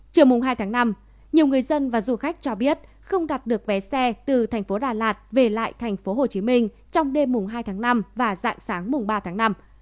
trước mùng hai tháng năm nhiều người dân và du khách cho biết không đặt được vé xe từ tp hcm về lại tp hcm trong đêm mùng hai tháng năm và dạng sáng mùng ba tháng năm